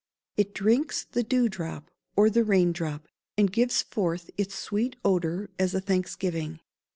It drinks the dew drop or the rain drop, and gives forth its sweet odour as a thanksgiving.